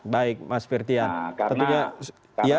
baik mas firtian nah karena